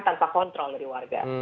tanpa kontrol dari warga